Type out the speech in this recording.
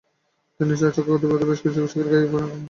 তখন তাঁর চোখে পড়ে কর্তব্যরত বেশ কিছু চিকিৎসকের গায়ে অ্যাপ্রোন নেই।